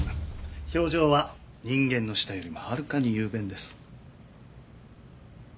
表情は人間の舌よりもはるかに雄弁です。